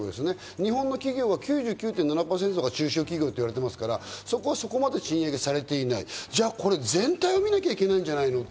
日本の企業は９９．７％が中小企業と言われているので、そこはそこまで賃上げされていない、全体を見なきゃいけないんじゃないの？って。